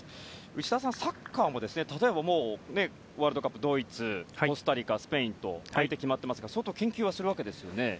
内田さん、サッカーも例えばワールドカップではドイツ、コスタリカ、スペインと相手が決まっていますが相当研究はするわけですよね。